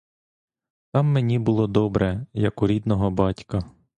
Там мені було добре, як у рідного батька!